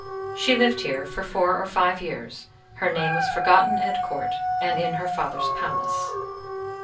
"She lived here for four or five years; her name was forgotten at court and in her father's palace.